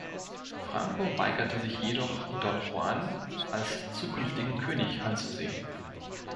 Franco weigerte sich jedoch, Don Juan als zukünftigen König anzusehen.